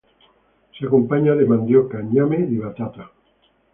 Se acompaña de mandioca, ñame y batata.